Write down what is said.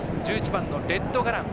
１１番のレッドガラン。